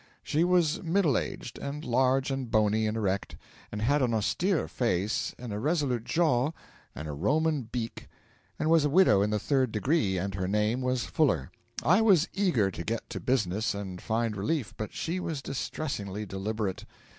She was middle aged, and large and bony and erect, and had an austere face and a resolute jaw and a Roman beak and was a widow in the third degree, and her name was Fuller. I was eager to get to business and find relief, but she was distressingly deliberate.